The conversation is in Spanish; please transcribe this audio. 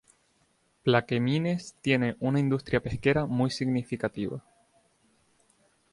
Plaquemines tiene una industria pesquera muy significativa.